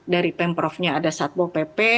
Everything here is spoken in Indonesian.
dari pemprovnya ada satpol pp